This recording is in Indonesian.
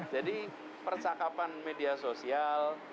jadi percakapan media sosial